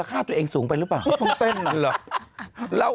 ก็เต้นอย่างนี้หรออย่างนี้หรอ